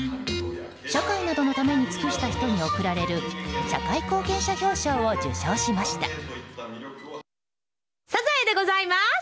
社会などのために尽くした人に贈られるサザエでございます！